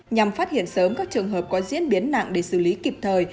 nhằm phát hiện sớm các trường hợp có diễn biến nặng để xử lý kịp thời